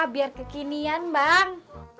biar kekinian bang